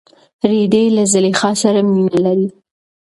رېدی له زلیخا سره مینه لري.